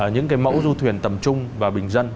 những cái mẫu du thuyền tầm trung và bình dân